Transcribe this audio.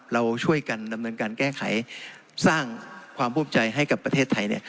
เราช่วยกันดำเนินการแก้ไขสร้างความภูมิใจให้กับประเทศไทย